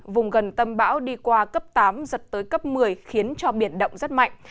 vùng gần tâm bão đi qua cấp tám giật tới cấp một mươi khiến cho biển động rất mạnh